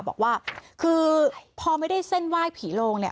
บอกว่าคือพอไม่ได้เส้นไหว้ผีโลงเนี่ย